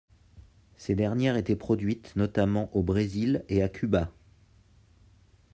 Ces dernières étaient produites notamment au Brésil et à Cuba.